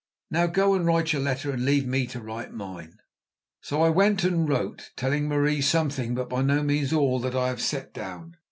Now go and write your letter, and leave me to write mine." So I went and wrote, telling Marie something, but by no means all of that I have set down.